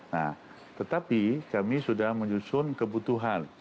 nah tetapi kami sudah menyusun kebutuhan